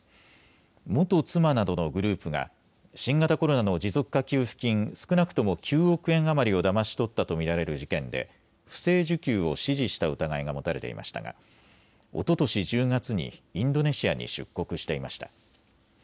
元妻などのグループが新型コロナの持続化給付金、少なくとも９億円余りをだまし取ったと見られる事件で不正受給を指示した疑いが持たれていましたがおととし１０月にインドネシアに出国していました。